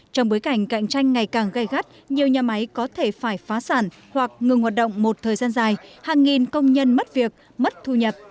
trong bối cảnh cạnh tranh ngày càng gây gắt nhiều nhà máy có thể phải phá sản hoặc ngừng hoạt động một thời gian dài hàng nghìn công nhân mất việc mất thu nhập